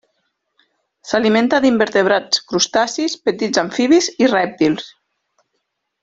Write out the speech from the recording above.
S'alimenta d'invertebrats, crustacis, petits amfibis i rèptils.